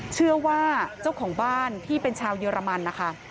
เชื่อว่าเจ้าของบ้านที่เป็นชาวเยอรมันนะคะ